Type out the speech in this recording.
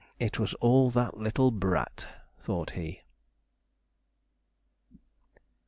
It was all that little brat! thought he.